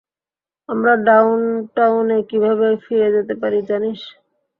আমরা ডাউনটাউনে কিভাবে ফিরে যেতে পারি জানিস?